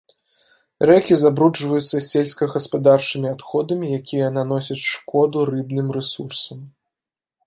Рэкі забруджваюцца сельскагаспадарчымі адходамі, якія наносяць шкоду рыбным рэсурсам.